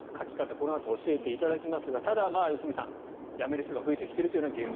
このあと教えていただきますがただ、良純さんやめる人が増えてきているという現状。